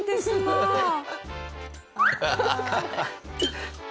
アハハハ。